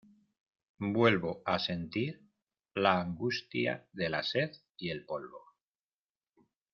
vuelvo a sentir la angustia de la sed y el polvo: